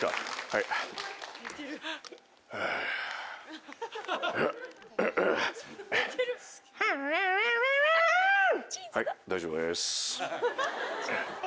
はい大丈夫です。